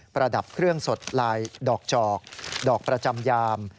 ระดับเครื่องสดลายดอกจอกดอกประจำยาม